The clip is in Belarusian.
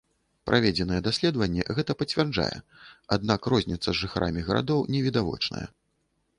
Праведзенае даследаванне гэта пацвярджае, аднак розніца з жыхарамі гарадоў не відавочная.